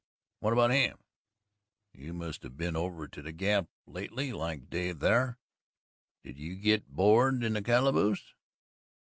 "What about him? You must have been over to the Gap lately like Dave thar did you git board in the calaboose?"